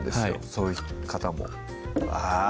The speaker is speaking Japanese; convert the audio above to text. そういう方もあぁ